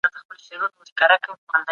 قصاص د ژوند د ارزښت د یادولو لاره ده.